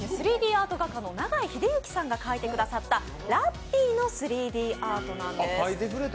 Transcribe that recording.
アート画家の永井秀幸さんが描いたラッピーの３Ｄアートなんです。